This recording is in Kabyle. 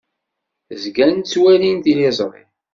Zgan ttwalin tiliẓri.